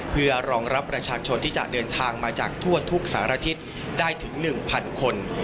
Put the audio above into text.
เพื่อรองรับประชาชนที่จะเดินทางมาจากทั่วทุกสารทิศได้ถึง๑๐๐คน